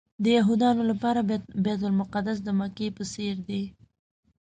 د یهودانو لپاره بیت المقدس د مکې په څېر دی.